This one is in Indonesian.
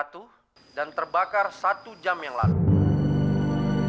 jatuh dan terbakar satu jam yang lalu